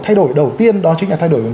thay đổi đầu tiên đó chính là thay đổi